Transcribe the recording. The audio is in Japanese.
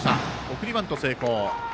送りバント成功。